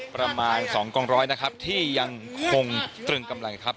ประมาณ๒กองร้อยนะครับที่ยังคงตรึงกำลังครับ